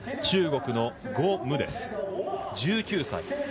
中国の呉夢、１９歳。